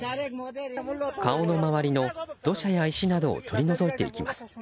顔の周りの土砂や石などを取り除いていきます。